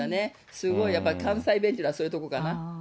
すごいやっぱり関西弁というのは、そういうとこかな。